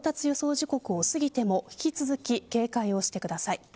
時刻をすぎても引き続き警戒をしてください。